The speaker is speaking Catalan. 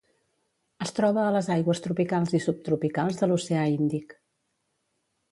Es troba a les aigües tropicals i subtropicals de l'oceà Índic.